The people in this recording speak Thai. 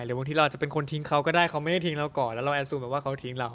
บางทีเราอาจจะเป็นคนทิ้งเขาก็ได้เขาไม่ได้ทิ้งเราก่อนแล้วเราแอนซูมแบบว่าเขาทิ้งเรา